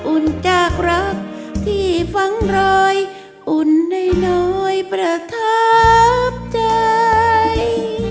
อุ่นจากรักที่ฟังรอยอุ่นน้อยประทับใจ